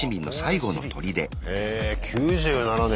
へえ９７年！